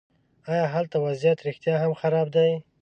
ایا هلته وضعیت رښتیا هم خراب دی.